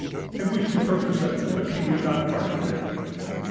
I wished to purchase it, but she would not part with it.